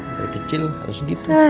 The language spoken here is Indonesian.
dari kecil harus gitu